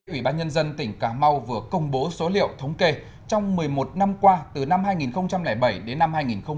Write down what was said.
ủy ban nhân dân tỉnh cà mau vừa công bố số liệu thống kê trong một mươi một năm qua từ năm hai nghìn bảy đến năm hai nghìn một mươi ba